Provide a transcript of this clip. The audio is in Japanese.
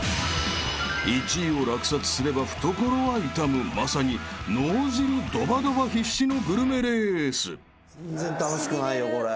［１位を落札すれば懐は痛むまさに脳汁ドバドバ必至のグルメレース］全然楽しくないよこれ。